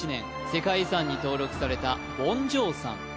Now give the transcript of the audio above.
世界遺産に登録された梵浄山